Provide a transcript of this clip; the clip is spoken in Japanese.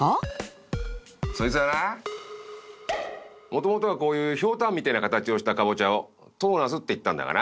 そいつぁあなもともとはこういう瓢箪みてぇな形をしたかぼちゃを唐茄子って言ったんだがな。